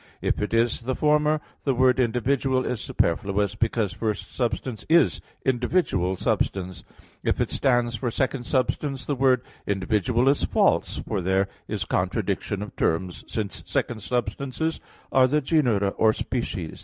If it is the former, the word "individual" is superfluous, because first substance is individual substance; if it stands for second substance, the word "individual" is false, for there is contradiction of terms; since second substances are the genera or species.